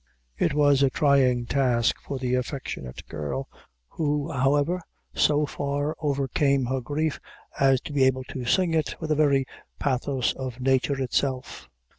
It was a trying task for the affectionate girl, who, however, so far overcame her grief, as to be able to sing it with the very pathos of nature itself.